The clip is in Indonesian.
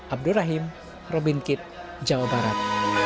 abdurrahim robin kit jawa barat